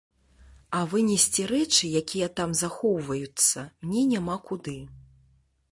А вынесці рэчы, якія там захоўваюцца, мне няма куды.